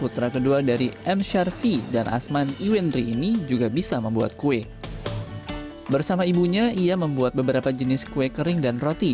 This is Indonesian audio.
terus sama juga